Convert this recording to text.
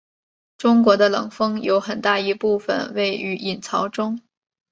中国的冷锋有很大一部分位于隐槽中。